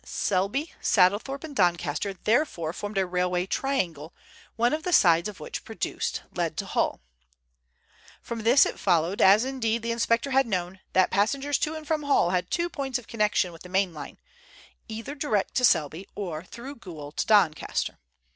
Selby, Staddlethorpe, and Doncaster therefore formed a railway triangle, one of the sides of which, produced, led to Hull. From this it followed, as indeed the inspector had known, that passengers to and from Hull had two points of connection with the main line, either direct to Selby, or through Goole to Doncaster.